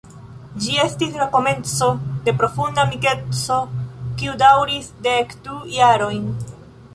Ĝi estis la komenco de profunda amikeco kiu daŭris dek du jarojn.